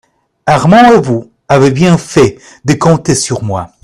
Armand et vous avez bien fait de compter sur moi.